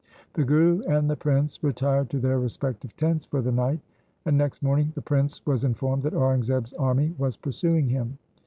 The Guru and the prince retired to their respective tents for the night, and next morning the prince was informed that Aurangzeb's army was pursuing him.